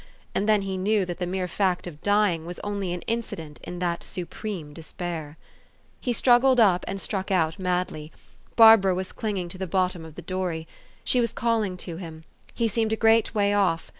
And then he knew that the mere fact of d}ing was only an incident in that supreme despair. THE STOEY OF AVIS. 349 He struggled up, and struck out madly. Barbara was clinging to the bottom of the dory. She was calling to him. He seemed a great way off.